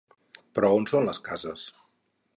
Però on són les cases?